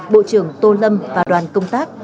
bộ trưởng tô lâm và đoàn công tác